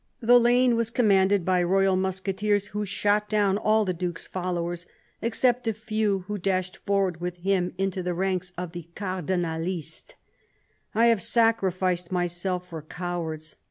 The lane was commanded by royal musketeers, who shot down all the Duke's followers except a few who dashed forward with him into the ranks of the "cardi nalistes." " I have sacrificed myself for cowards